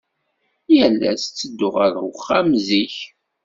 Yal ass, ttedduɣ ɣer uxxam zik.